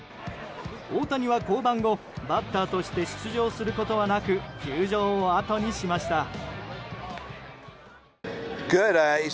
大谷は降板後、バッターとして出場することはなく球場をあとにしました。